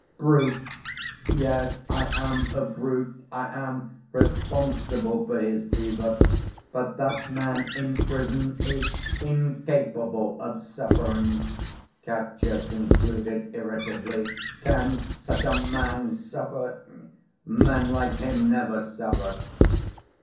Brute! Yes, I am a brute. I am responsible for his fever. But that man in prison is incapable of suffering," Katya concluded irritably. "Can such a man suffer? Men like him never suffer!"